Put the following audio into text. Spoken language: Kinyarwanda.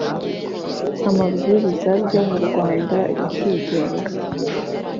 amabwiriza byo mu Rwanda bikigenga